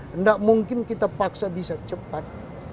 tidak mungkin kita paksa bisa cepat